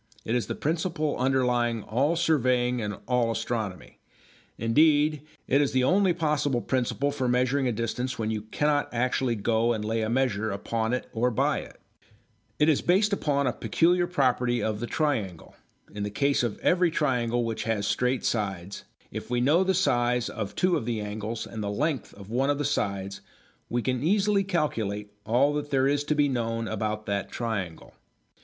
It is the principle underlying all surveying and all astronomy; indeed it is the only possible principle for measuring a distance when you cannot actually go and lay a measure upon it or by it. It is based upon a peculiar property of a triangle. In the case of every triangle which has straight sides, if we know the size of two of the angles and the length of one of the sides we can easily calculate all that there is to be known about that triangle.